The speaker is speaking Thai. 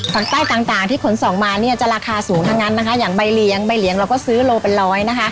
ฝั่งใต้ต่างที่ขนส่งมาเนี่ยจะราคาสูงทั้งนั้นนะคะอย่างใบเลี้ยงใบเลี้ยงเราก็ซื้อโลเป็นร้อยนะคะ